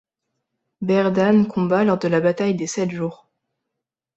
Berdan combat lors de la bataille des Sept Jours.